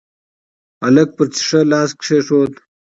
هلک پر شيشه لاس کېښود.